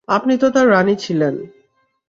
আপনি তো তাঁর রানী ছিলেন।